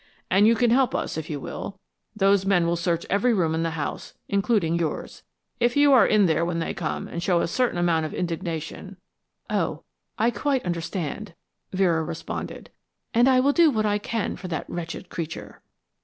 And you can help us if you will. Those men will search every room in the house, including yours. If you are in there when they come and show a certain amount of indignation " "Oh, I quite understand," Vera responded. "And I will do what I can for that wretched creature."